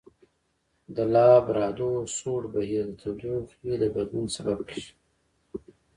د لابرادور سوړ بهیر د تودوخې د بدلون سبب کیږي.